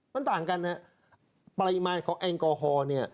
มันต่างกันเนี่ยปริมาณของแองโครฮอล์เนี่ย